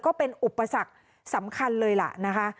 ก็เป็นอุปสรรคสำคัญเลยล่ะนะคะ